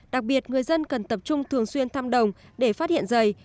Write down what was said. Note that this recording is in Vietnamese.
đặc biệt người dân cần tập trung thường xuyên thăm đồng để phát hiện dày